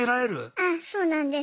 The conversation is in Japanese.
あそうなんです。